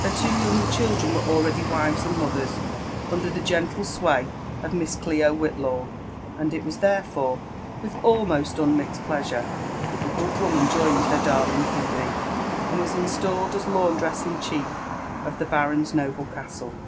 Her two younger children were already wives and mothers under thegenlle sway of "Miss Clio Whit law;" and it was, therefore, with almost unmixed pleasure thatflhe JONATHAN JEFFERSON WHITLAW. 365 good woman joined her darling Phebe, and was installed as laundress in chief of (he baron's noble castle